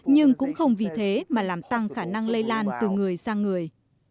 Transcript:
nhưng cũng không vì thế mà làm tăng khả năng lây lan từ người sang người